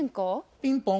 ピンポン。